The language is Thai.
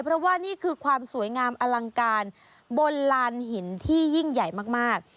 เพราะว่านี่คือความสวยงามอลังการบนลานหินที่ยิ่งใหญ่มาก